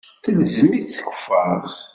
Telzem-it tkeffart.